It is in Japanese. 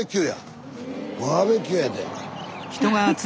バーベキューやで。